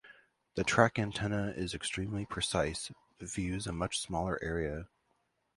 The track antenna is extremely precise, but views a much smaller area.